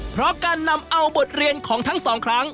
เพราะการนำเอาบทเรียนของทั้งสองครั้ง